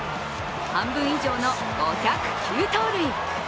半分以上の５０９盗塁。